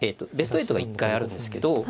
ベスト８が１回あるんですけど。